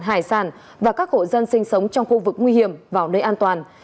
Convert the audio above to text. hải sản và các hộ dân sinh sống trong khu vực nguy hiểm vào nơi an toàn